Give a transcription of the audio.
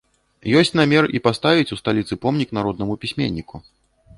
Ёсць намер і паставіць у сталіцы помнік народнаму пісьменніку.